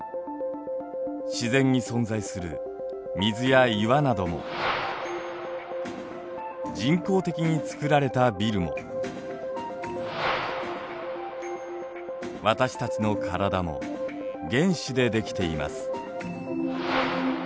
自然に存在する水や岩なども人工的に造られたビルも私たちの体も原子で出来ています。